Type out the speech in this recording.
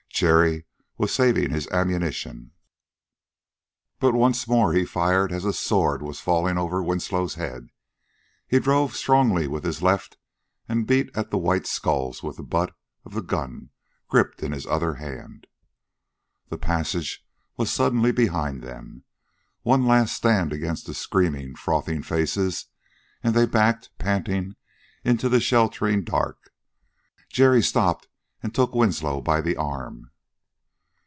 Jerry was saving his ammunition, but once more he fired as a sword was falling over Winslow's head. He drove strongly with his left and beat at the white skulls with the butt of the gun gripped in his other hand. The passage was suddenly behind them. One last stand against the screaming, frothing faces, and they backed, panting, into the sheltering dark. Jerry stopped and took Winslow by the arm.